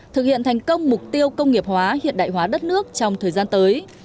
thực hiện thành công mục tiêu công nghiệp hóa hiện đại hóa đất nước trong thời gian tới